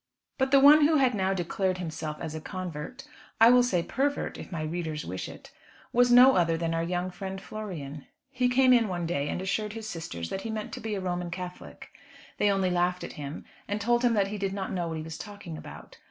But the one who had now declared himself as a convert, I will say pervert if my readers wish it, was no other than our young friend Florian. He came in one day and assured his sisters that he meant to be a Roman Catholic. They only laughed at him, and told him that he did not know what he was talking about.